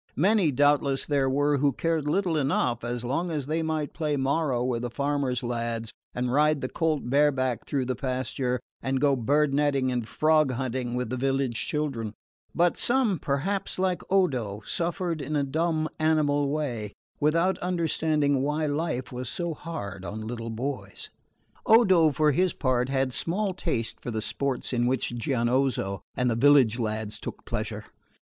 Many, doubtless, there were who cared little enough, as long as they might play morro with the farmer's lads and ride the colt bare back through the pasture and go bird netting and frog hunting with the village children; but some perhaps, like Odo, suffered in a dumb animal way, without understanding why life was so hard on little boys. Odo, for his part, had small taste for the sports in which Gianozzo and the village lads took pleasure.